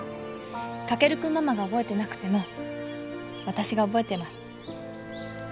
翔君ママが覚えてなくても私が覚えてます。